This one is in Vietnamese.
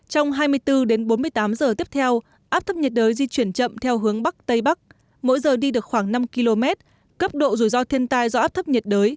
trong hai mươi bốn đến bốn mươi tám giờ tiếp theo áp thấp nhiệt đới di chuyển chậm theo hướng bắc tây bắc mỗi giờ đi được khoảng năm km cấp độ rủi ro thiên tai do áp thấp nhiệt đới